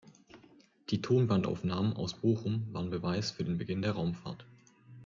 Die Tonbandaufnahmen aus Bochum waren Beweis für den Beginn der Raumfahrt.